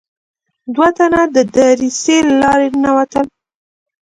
دوه تنه د دريڅې له لارې ننوتل.